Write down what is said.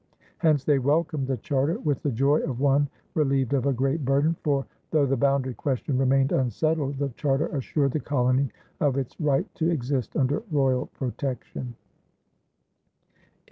Hence they welcomed the charter with the joy of one relieved of a great burden, for, though the boundary question remained unsettled, the charter assured the colony of its right to exist under royal protection.